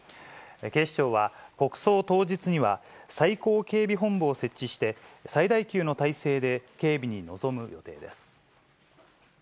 警視庁は、国葬当日には最高警備本部を設置して、最大級の態勢で警備に臨む予定です。